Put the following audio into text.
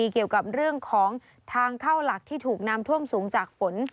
เกี่ยวกับเรื่องของทางเข้าหลักที่ถูกน้ำท่วมสูงจากฝน